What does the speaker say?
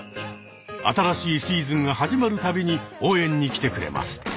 新しいシーズンが始まる度に応援に来てくれます。